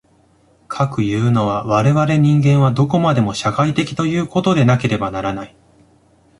かくいうのは、我々人間はどこまでも社会的ということでなければならない。